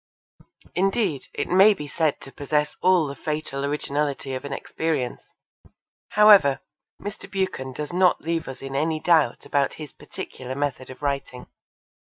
Indeed, it may be said to possess all the fatal originality of inexperience. However, Mr. Buchan does not leave us in any doubt about his particular method of writing.